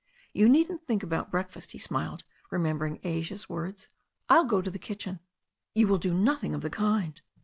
"You needn't think about breakfast," he smiled, remem bering Asia's words. "I'll go to the kitchen." "You will do nothing of the kind."